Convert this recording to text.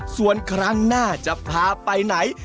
ส่วนครั้งหน้าจะพาไปไหน